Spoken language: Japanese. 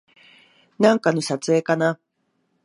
なんかの撮影かな